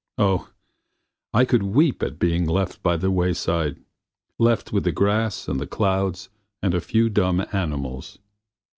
Oh! I could weep at being left by the wayside; left with the grass and the clouds and a few dumb animals.